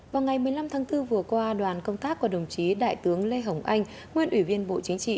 vào ngày một mươi năm tháng bốn vừa qua đoàn công tác của đồng chí đại tướng lê hồng anh nguyên ủy viên bộ chính trị